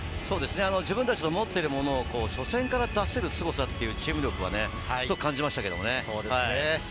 自分たちの持っているものを初戦から出せるすごさというチーム力を感じました。